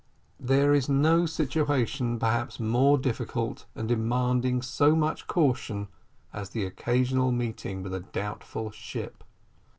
There is no situation perhaps more difficult, and demanding so much caution, as the occasional meeting with a doubtful ship.